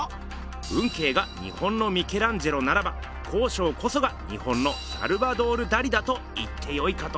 運慶が日本のミケランジェロならば康勝こそが日本のサルバドール・ダリだと言ってよいかと。